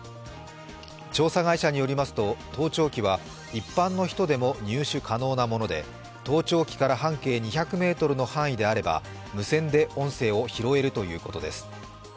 調査会社によりますと盗聴器は一般の人でも入手可能なもので盗聴器から半径２００ｍの範囲であれば無線で音声を拾えるということです。